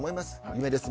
夢です